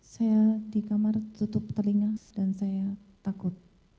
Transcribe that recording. saya di kamar tutup telinga dan saya takut